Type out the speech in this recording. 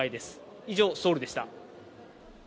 以上、ソウルでした。